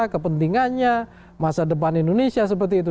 kepentingannya masa depan indonesia seperti itu